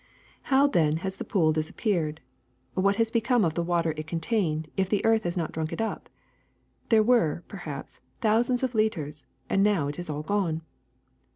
^^How, then, has the pool disappeared? What has become of the water it contained, if the earth has not drunk it up? There were, perhaps, thousands of liters, and now it is all gone.